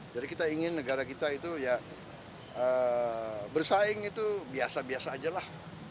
jadi kita ingin negara kita itu ya bersaing itu biasa biasa aja lah